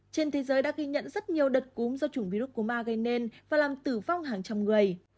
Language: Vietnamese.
trên thế giới đã ghi nhận rất nhiều đợt cúm do chủng virus corona gây nên và làm tử vong hàng trăm người